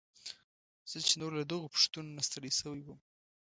زه چې نور له دغو پوښتنو نه ستړی شوی وم.